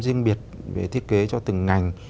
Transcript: riêng biệt về thiết kế cho từng ngành